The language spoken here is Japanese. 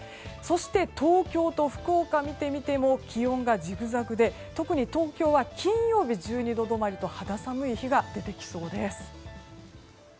そして、東京と福岡を見てみても気温がジグザグで特に東京は金曜日１２度止まりと肌寒い日が出てきそうです。